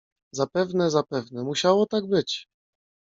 "Zapewne, zapewne, musiało tak być..."